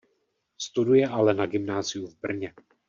Studuje ale na gymnáziu v Brně.